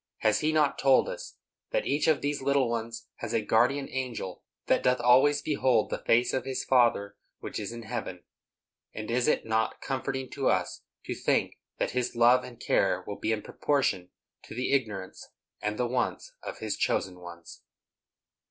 Has He not told us that each of these little ones has a guardian angel that doth always behold the face of his Father which is in heaven? And is it not comforting to us to think that His love and care will be in proportion to the ignorance and the wants of His chosen ones?